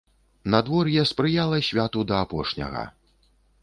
Надвор'е спрыяла святу да апошняга.